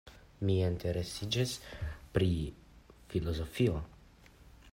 Mi interesiĝas pri filozofio.